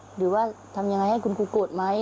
หรือว่าทำยังไงให้คุณครูโกรธไหม